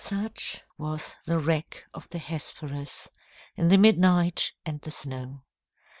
Such was the wreck of the Hesperus, In the midnight and the snow!